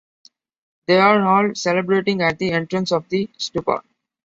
They are all celebrating at the entrance of the stupa.